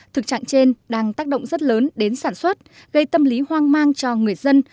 thực trạng trên đang tác động rất lớn đến sản xuất gây tâm lý hoang mang cho người dân